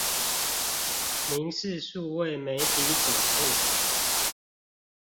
民視數位媒體總部